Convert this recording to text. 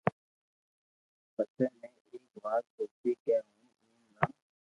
پسي ۾ ايڪ وات سوچي ڪي ھون ايم نھ